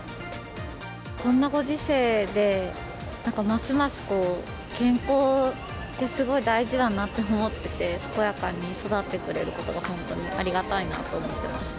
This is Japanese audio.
こんなご時世で、なんかますます健康ってすごい大事だなって思ってて、健やかに育ってくれることが、本当にありがたいなと思ってました。